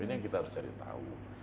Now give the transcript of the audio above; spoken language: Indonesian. ini yang kita harus cari tahu